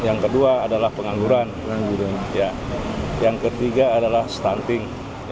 yang kedua adalah pengangguran yang ketiga adalah stunting